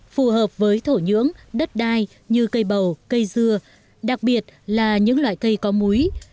phù hợp với thổ nhưỡng đất đai như cây bầu cây dưa đặc biệt là những loại cây có múi